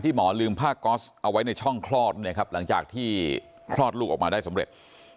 ที่หมอลืมผ้าก๊อตเอาไว้ในช่องคลอดหลังจากที่คลอดลูกออกมาได้สมเร็จ